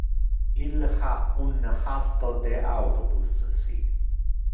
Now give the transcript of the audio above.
Il ha un halto de autobus ci.